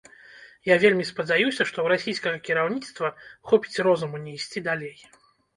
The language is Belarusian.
Я вельмі спадзяюся, што ў расійскага кіраўніцтва хопіць розуму не ісці далей.